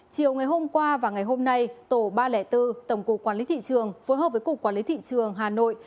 chiều ngày hôm qua và ngày hôm nay tổ ba trăm linh bốn tổng cục quản lý thị trường phối hợp với cục quản lý thị trường hà nội